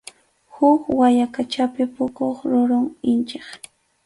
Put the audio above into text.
Huk wayaqachapi puquq rurum inchik.